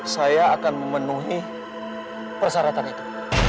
saya akan memenuhi persyaratan itu